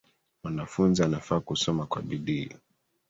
Mwanafunzi anafaa kusoma kwa bidii.